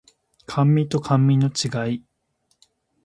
甘味と甘味の違い